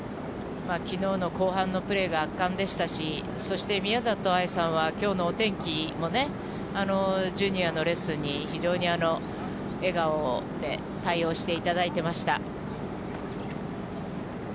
きのうの後半のプレーが圧巻でしたし、そして、宮里藍さんは、きょうのお天気もね、ジュニアのレッスンに非常に笑顔で対応していただいていました。